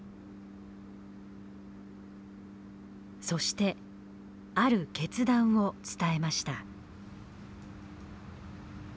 そしてある決断を伝えました。